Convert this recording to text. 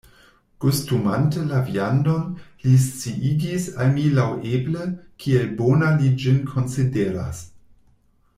Gustumante la viandon, li sciigis al mi laŭeble, kiel bona li ĝin konsideras.